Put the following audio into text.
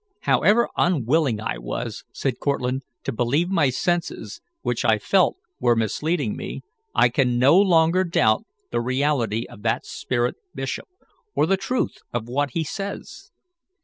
"However unwilling I was," said Cortlandt, "to believe my senses, which I felt were misleading me, I can no longer doubt the reality of that spirit bishop, or the truth of what be says.